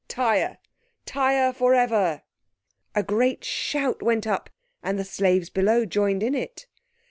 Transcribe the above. Tyre, Tyre for ever!" A great shout went up, and the slaves below joined in it.